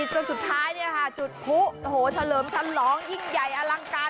จนสุดท้ายเนี่ยจุดพุโอ้โหเฉลิมชันร้องยิ่งใหญ่อลังการ